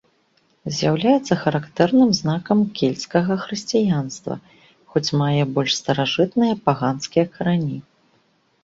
З'яўляецца характэрным знакам кельцкага хрысціянства, хоць мае больш старажытныя паганскія карані.